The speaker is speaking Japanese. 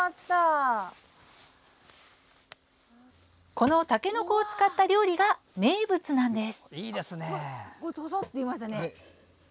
この、たけのこを使った料理が名物なんです